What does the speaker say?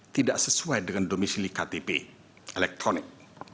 tidak sesuai dengan domisi lika tpi elektronik